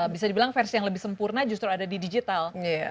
bisa dibilang versi yang lebih sempurna justru ada di digital